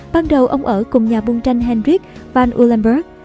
ban đầu ông ở cùng nhà buôn tranh hendrik van uylenburg